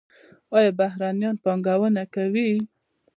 آیا بهرنیان پانګونه کوي؟